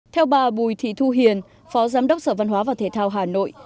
theo bà bùi thị thu hiền phó giám đốc sở văn hóa và thể thao hà nội